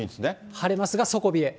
晴れますが、底冷え。